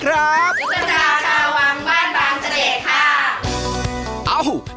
ตุ๊กตาชาวังบ้านบางเจ้าเด็กค่ะ